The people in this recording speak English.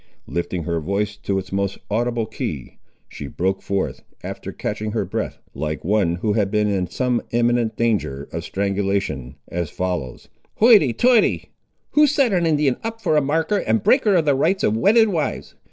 Lifting her voice to its most audible key, she broke forth, after catching her breath like one who had been in some imminent danger of strangulation, as follows— "Hoity toity; who set an Indian up for a maker and breaker of the rights of wedded wives!